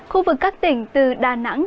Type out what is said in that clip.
khu vực các tỉnh từ đà nẵng